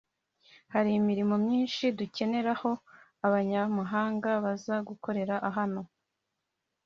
Hari imirimo myinshi dukeneraho abanyamahanga baza gukorera hano